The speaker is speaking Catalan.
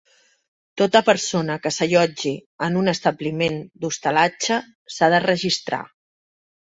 Tota persona que s'allotgi en un establiment d'hostalatge s'ha de registrar.